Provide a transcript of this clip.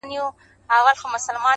پښتې ستري تر سترو، استثناء د يوې گوتي.